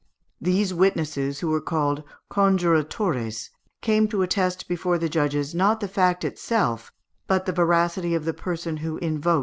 These witnesses, who were called conjuratores, came to attest before the judges not the fact itself, but the veracity of the person who invoked their testimony.